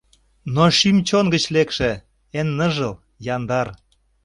Но шӱм-чон гычын лекше, Эн ныжыл, яндар.